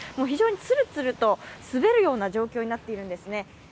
非常につるつると滑るような状況になっているんですね。